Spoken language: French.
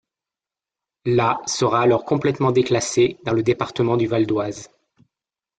La sera alors complètement déclassée dans le département du Val-d'Oise.